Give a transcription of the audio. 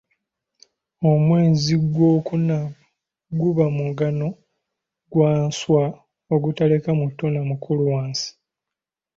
Omwezi gwokuna guba mugano gwa nswa ogutaleka muto na mukulu wansi.